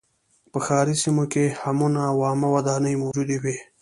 په ښاري سیمو کې حمونه او عامه ودانۍ موجودې وې